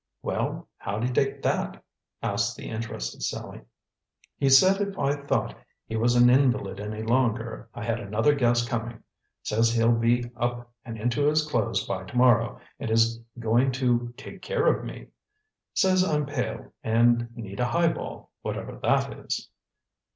"Well, how'd he take that?" asked the interested Sallie. "He said if I thought he was an invalid any longer I had another guess coming. Says he'll be up and into his clothes by to morrow, and is going to take care of me. Says I'm pale and need a highball, whatever that is."